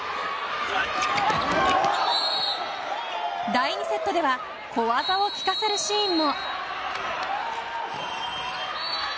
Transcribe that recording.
第２セットでは小技を効かせるシーンも。